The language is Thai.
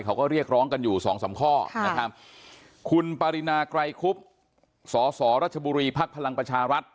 เขาก็เรียกร้องกันอยู่สองสามข้อนะครับคุณปรินาไกรคุบสสรัชบุรีภักดิ์พลังประชารัฐ